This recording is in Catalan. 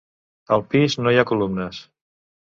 Al pis no hi ha columnes.